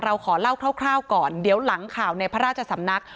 เราขอเล่าคร่าวก่อนเดี๋ยวหลังข่าวในพระราชสำนัก